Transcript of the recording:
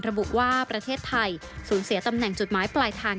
ระบุว่าประเทศไทยสูญเสียตำแหน่งจุดหมายปลายทาง